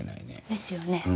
ですよね。